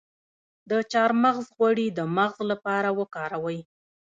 د چارمغز غوړي د مغز لپاره وکاروئ